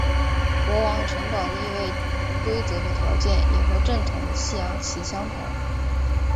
国王和城堡的易位规则和条件也和正统的西洋棋相同。